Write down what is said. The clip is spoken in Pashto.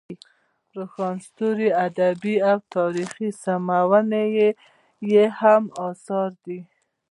روښان ستوري ادبي او تاریخي سمونې یې هم اثار دي.